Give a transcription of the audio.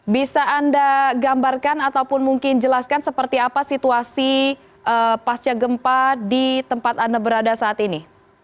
bisa anda gambarkan ataupun mungkin jelaskan seperti apa situasi pasca gempa di tempat anda berada saat ini